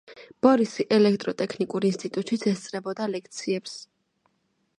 ბორისი ელექტროტექნიკურ ინსტიტუტშიც ესწრებოდა ლექციებს.